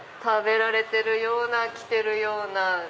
食べられてるような着てるような。